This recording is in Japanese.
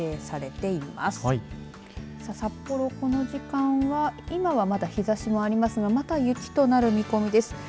さあ札幌、この時間は今はまだ日ざしもありますがまた雪となる見込みです。